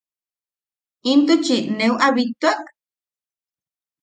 ¿Intuchi neu am bittuak?